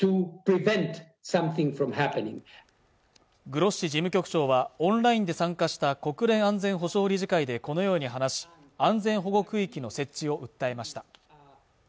グロッシ事務局長はオンラインで参加した国連安全保障理事会でこのように話し安全保護区域の設置を訴えました